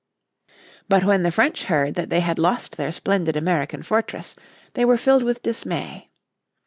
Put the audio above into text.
But when the French heard that they had lost their splendid American fortress they were filled with dismay.